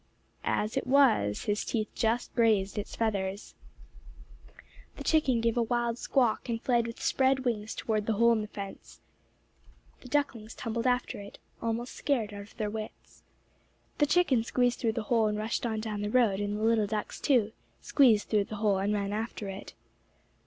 As it was his teeth just grazed its feathers. [Illustration: He gave them one scornful look and stalked away] The chicken gave a wild squawk, and fled with spread wings toward the hole in the fence. The ducklings tumbled after it, almost scared out of their wits. The chicken squeezed through the hole and rushed on down the road, and the little ducks, too, squeezed through the hole and ran after it.